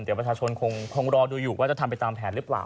เดี๋ยวประชาชนคงรอดูอยู่ว่าจะทำไปตามแผนหรือเปล่า